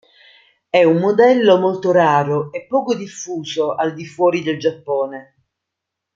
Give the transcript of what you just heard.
È un modello molto raro e poco diffuso al di fuori del Giappone.